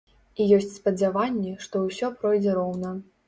І ёсць спадзяванні, што ўсё пройдзе роўна.